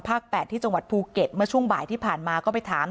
๘ที่จังหวัดภูเก็ตเมื่อช่วงบ่ายที่ผ่านมาก็ไปถาม